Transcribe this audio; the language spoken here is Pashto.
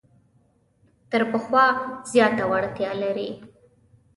تر پخوا زیاته وړتیا لري.